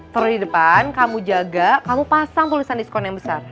taruh di depan kamu jaga kamu pasang tulisan diskon yang besar